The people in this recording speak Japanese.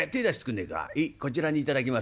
「へえこちらに頂きます」。